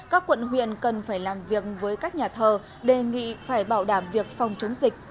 các quận huyện cần phải làm việc với các nhà thờ đề nghị phải bảo đảm việc phòng chống dịch